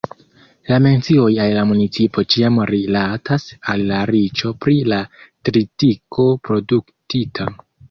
La mencioj al la municipo ĉiam rilatas al la riĉo pri la tritiko produktita.